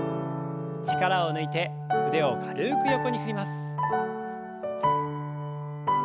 力を抜いて腕を軽く横に振ります。